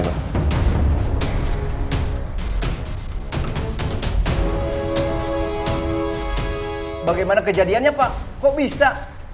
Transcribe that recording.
bagaimana kejadiannya pak kok bisa